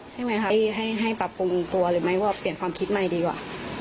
ใช่ไหมครับให้ปรับโครงตัวเลยไหมว่าเพลี่ยนความคิดใหม่ดีกว่า